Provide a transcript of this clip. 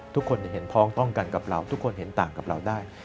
ทุกคนเห็นพ้องต้องกันกับเราทุกคนเห็นต่างกับเราได้